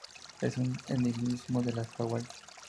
És un endemismo de las Hawaii.